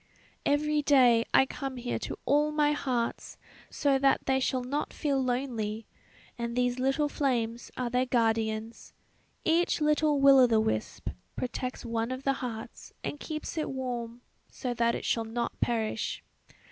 "Every day I come here to all my hearts, so that they shall not feel lonely; and these little flames are their guardians. Each little will o' the wisp protects one of the hearts and keeps it warm, so that it shall not perish.